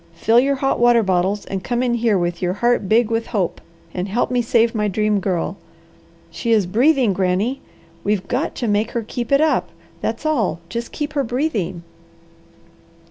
Fill your hot water bottles and come in here with your heart big with hope and help me save my Dream Girl. She is breathing Granny; we've got to make her keep it up, that's all just keep her breathing."